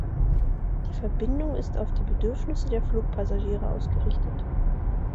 Die Verbindung ist auf die Bedürfnisse der Flugpassagiere ausgerichtet.